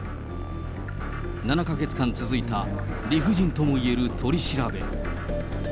７か月間続いた理不尽ともいえる取り調べ。